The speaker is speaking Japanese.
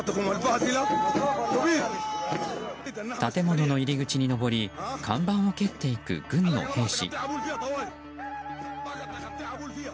建物の入り口に上り看板を蹴っていく軍の兵士。